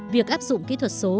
việc áp dụng kỹ thuật số